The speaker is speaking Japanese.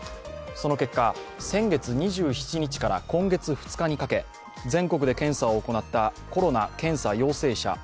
その結果、先月２７日から今月２日にかけ、全国で検査を行ったコロナ検査陽性者